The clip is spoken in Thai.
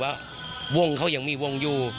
ว่าวงเขายังมีวงอยู่